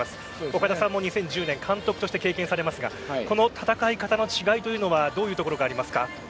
岡田さんも２０１０年監督として経験されていますが戦い方の違いはどういうところがありますか？